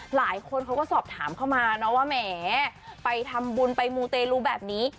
หลายคนเขาก็สอบถามเข้ามานะว่าแหมไปทำบุญไปมูเตลูแบบนี้